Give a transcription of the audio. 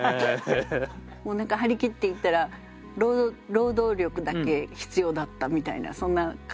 もう何か張り切って行ったら労働力だけ必要だったみたいなそんな感じで。